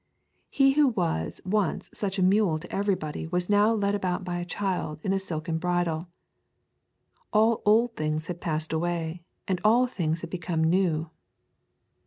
He who was once such a mule to everybody was now led about by a child in a silken bridle. All old things had passed away, and all things had become new.